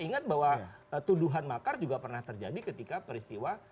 ingat bahwa tuduhan makar juga pernah terjadi ketika peristiwa dua puluh satu dua